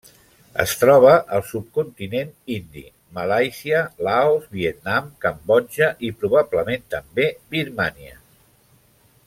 Es troba al subcontinent indi, Malàisia, Laos, Vietnam, Cambodja i, probablement també, Birmània.